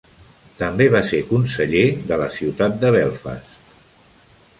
També va ser conseller de la ciutat de Belfast.